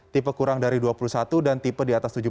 tipe kurang dari dua puluh satu dan tipe di atas tujuh puluh